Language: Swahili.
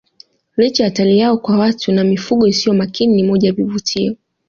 Licha ya hatari yao kwa watu na mifugo isiyo makini ni moja ya vivutio